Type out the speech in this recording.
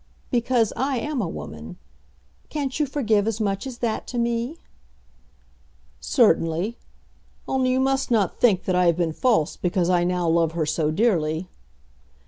"Because I am a woman. Can't you forgive as much as that to me?" "Certainly. Only you must not think that I have been false because I now love her so dearly."